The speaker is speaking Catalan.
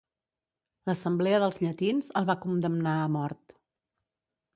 L'assemblea dels llatins el va condemnar a mort.